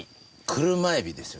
車エビですよ